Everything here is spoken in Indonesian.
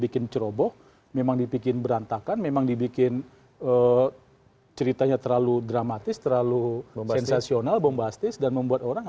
kebenaran juga ada